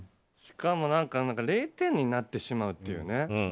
しかも０点になってしまうっていうね。